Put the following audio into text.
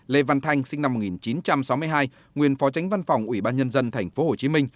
lê văn thanh sinh năm một nghìn chín trăm sáu mươi hai nguyên phó tránh văn phòng ủy ban nhân dân tp hcm